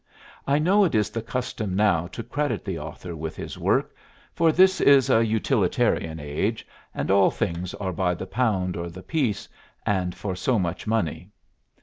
I know it is the custom now to credit the author with his work, for this is a utilitarian age, and all things are by the pound or the piece, and for so much money.